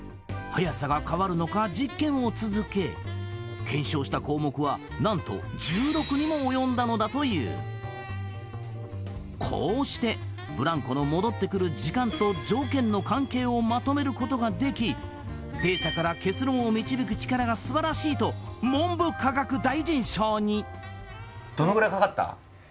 速さが変わるのか実験を続け検証した項目は何と１６にも及んだのだというこうしてブランコの戻ってくる時間と条件の関係をまとめることができデータから結論を導く力がすばらしいと文部科学大臣賞にどのぐらいかかった？